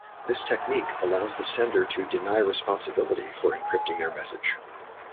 This technique allows the sender to deny responsibility for encrypting their message.